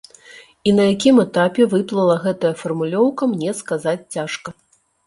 І на якім этапе выплыла гэтая фармулёўка, мне сказаць цяжка.